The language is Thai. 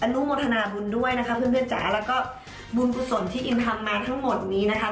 นุโมทนาบุญด้วยนะคะเพื่อนจ๋าแล้วก็บุญกุศลที่อิมทำมาทั้งหมดนี้นะคะ